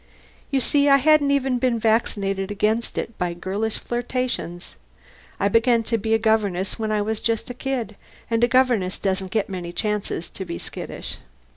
_ You see I hadn't even been vaccinated against it by girlish flirtations. I began to be a governess when I was just a kid, and a governess doesn't get many chances to be skittish.